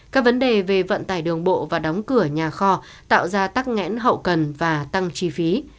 các vấn đề về vận tải đường bộ và đóng cửa nhà kho tạo ra tắc ngẽn hậu cần và tăng chi phí